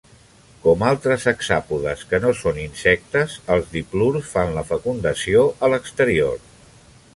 Com altres hexàpodes que no són insectes, els diplurs fan la fecundació a l'exterior.